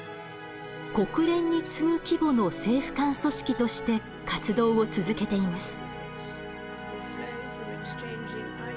国連に次ぐ規模の政府間組織として活動を続けています。